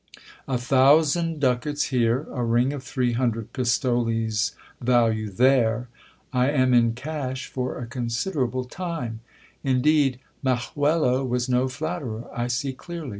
A thousand ducats here, a ring of three hundred pistoles' value there ! I am in cash for a considerable time. In deed Majuelo was no flatterer, I see clearly.